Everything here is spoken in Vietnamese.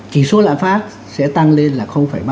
chỉ số lãng phát sẽ tăng lên là ba sáu